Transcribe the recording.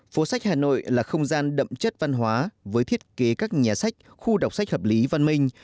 phố sách hà nội là không gian đậm chất văn hóa với thiết kế các nhà sách khu đọc sách hợp lý văn minh